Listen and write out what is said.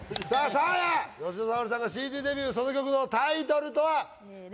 サーヤ吉田沙保里さんがＣＤデビューその曲のタイトルとはいいね